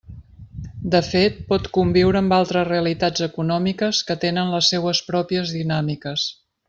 De fet, pot conviure amb altres realitats econòmiques que tenen les seues pròpies dinàmiques.